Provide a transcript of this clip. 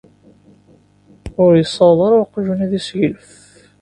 Ur yessaweḍ ara weqjun ad iseglef.